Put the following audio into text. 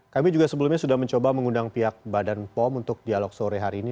kami juga sebelumnya sudah mencoba mengundang pihak badan pom untuk dialog sore hari ini